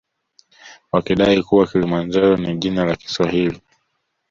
Wakidai kuwa kilimanjaro ni jina la kiswahili